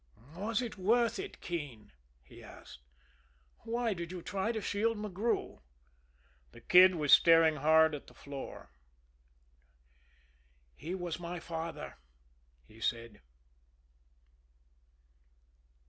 "Was it worth it, Keene?" he asked. "Why did you try to shield McGrew?" The Kid was staring hard at the floor. "He was my father," he said.